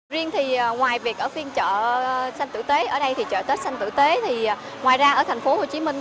riêng thì ngoài việc ở phiên chợ sanh tử tế ở đây thì chợ tết sanh tử tế thì ngoài ra ở thành phố hồ chí minh